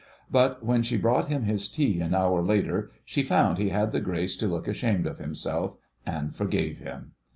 But when she brought him his tea an hour later she found he had the grace to look ashamed of himself, and forgave him.